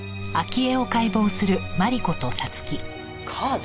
カード？